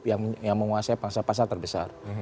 lion group yang menguasai pasar pasar terbesar